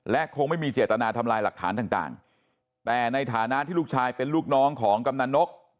และคงไม่มีเจตนาทำลายหลักฐานต่างแต่ในฐานะที่ลูกชายเป็นลูกน้องของกำนันนก